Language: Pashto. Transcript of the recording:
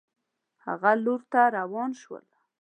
هغه لور ته روان شول.